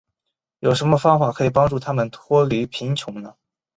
有什么方法可以帮助他们脱离贫穷呢。